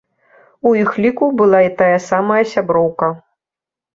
У іх ліку была і тая самая сяброўка.